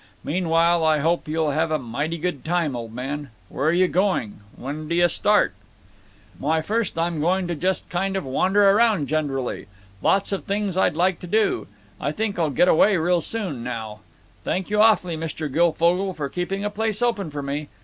Meanwhile I hope you'll have a mighty good time, old man. Where you going? When d'yuh start out?" "Why, first I'm going to just kind of wander round generally. Lots of things I'd like to do. I think I'll get away real soon now…. Thank you awfully, Mr. Guilfogle, for keeping a place open for me.